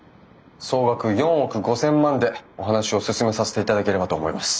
総額４億５，０００万でお話を進めさせていただければと思います。